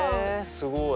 すごい。